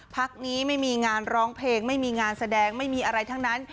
พักนี้ไม่มีงานร้องเพลงไม่มีงานแสดงไม่มีอะไรทั้งนั้น